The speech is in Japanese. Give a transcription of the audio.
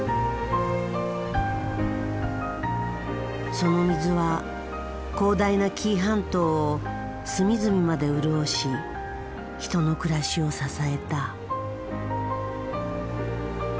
その水は広大な紀伊半島を隅々まで潤し人の暮らしを支えた。